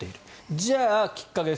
じゃあ、きっかけです。